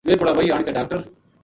وہ بُڑاوائی آن کے ڈاکٹر